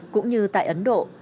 cũng như tại ấn độ